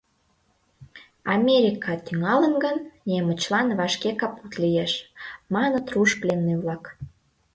Америка тӱҥалын гын, немычлан вашке капут лиеш, — маныт руш пленный-влак.